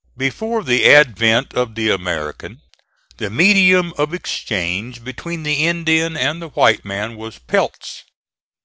Before the advent of the American, the medium of exchange between the Indian and the white man was pelts.